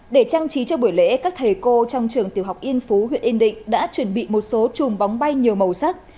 để trang trí cho buổi lễ các thầy cô trong trường tiểu học yên phú huyện yên định đã chuẩn bị một số chùm bóng bay nhiều màu sắc